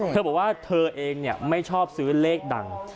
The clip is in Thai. เธอบอกว่าเธอเองไม่ชอบซื้อเลขดัง